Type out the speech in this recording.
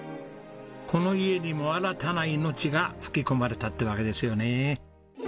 この家にも新たな命が吹き込まれたってわけですよね。